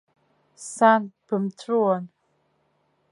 Сан бымҵәуан!